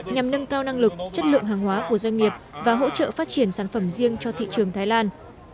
nhằm nâng cao năng lực chất lượng hàng hóa của doanh nghiệp và hỗ trợ phát triển sản phẩm riêng cho thị trường thái lan